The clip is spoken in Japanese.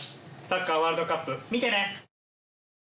サッカーワールドカップ見てね！